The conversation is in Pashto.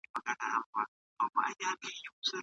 کورنۍ چاپیریال اصلاح کړئ.